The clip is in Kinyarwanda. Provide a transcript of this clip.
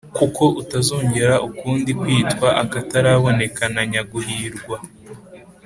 kuko utazongera ukundi kwitwa «akataraboneka na nyaguhirwa.»